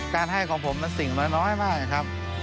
การให้ของผมมันสิ่งมาน้อยมากครับ